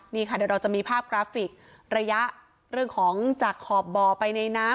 นี่ค่ะเดี๋ยวเราจะมีภาพกราฟิกระยะเรื่องของจากขอบบ่อไปในน้ำ